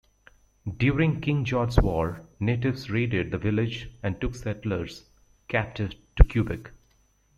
During King George's War, natives raided the village and took settlers captive to Quebec.